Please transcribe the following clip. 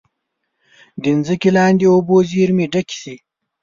د ځمکې لاندې اوبو زیرمې ډکې شي.